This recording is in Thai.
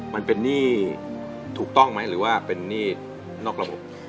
มันเป็นหนี้ถูกต้องไหมหรือว่าเป็นหนี้นอกระบบ